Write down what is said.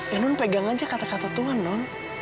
ya non pegang aja kata kata tuhan non